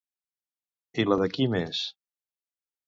I la de qui més?